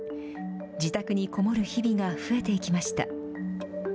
自宅に籠もる日々が増えていきました。